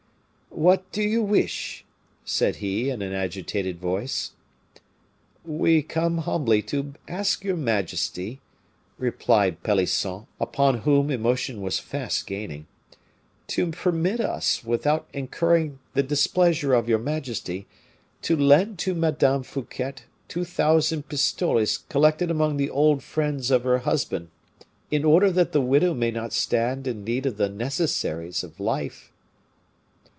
"What do you wish?" said he, in an agitated voice. "We come humbly to ask your majesty," replied Pelisson, upon whom emotion was fast gaining, "to permit us, without incurring the displeasure of your majesty, to lend to Madame Fouquet two thousand pistoles collected among the old friends of her husband, in order that the widow may not stand in need of the necessaries of life."